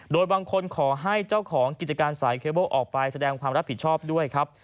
โดยบางคนขอให้เจ้าของกิจการสายเคเบิ้ลออกไปแสดงความรับผิดชอบด้วยครับ